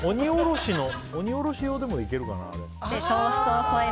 鬼おろしのでもいけるかな？